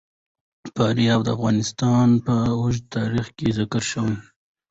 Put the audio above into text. فاریاب د افغانستان په اوږده تاریخ کې ذکر شوی دی.